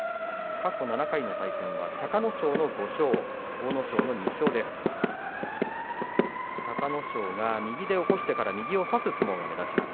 過去７回の対戦は隆の勝の５勝、阿武咲の２勝です。